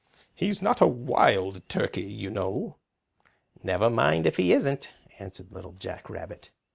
"He's not a Wild Turkey, you know." "Never mind if he isn't," answered Little Jack Rabbit.